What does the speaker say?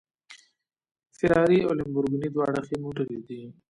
فېراري او لمبورګیني دواړه ښې موټرې دي